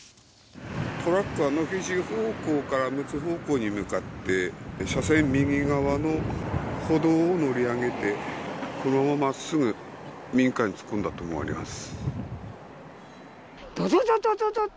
「トラックは野辺地方向からむつ方向に向かって車線右側の歩道を乗り上げてこのまま真っすぐ民家に突っ込んだと思われます」